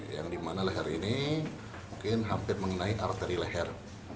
yang dimana leher ini mungkin hampir mengenai arteri leher